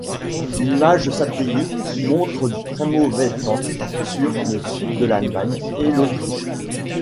L'image satellite montre du très mauvais temps sur le sud de l'Allemagne et l'Autriche.